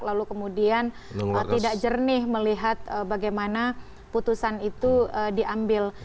lalu kemudian tidak jernih melihat bagaimana putusan itu diambil